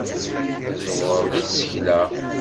Tẓewreḍ deg tsekla.